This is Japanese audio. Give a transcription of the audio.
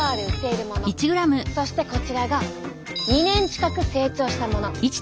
そしてこちらが２年近く成長したもの。